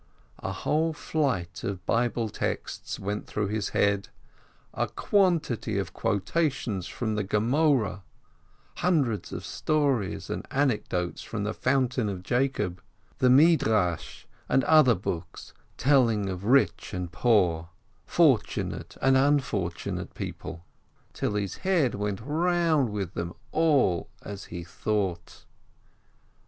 A whole flight of Bible texts went through his head, a quantity of quotations from the Gemoreh, hundreds of stories and anecdotes from the "Fountain of Jacob," the Midrash, and other books, telling of rich and poor, fortunate and unfortunate people, till his 20 BRAUDES head went round with them all as he thought.